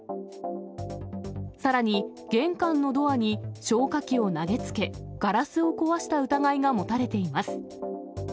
さらに、玄関のドアに消火器を投げつけ、ガラスを壊した疑いが持たれています。